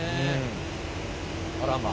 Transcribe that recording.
あらま。